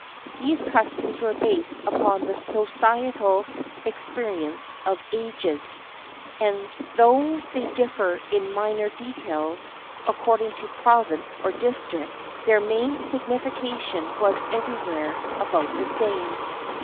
These customs were based upon the social experience of ages; and though they differed in minor details according to province or district, their main sig nification was everywhere about the same.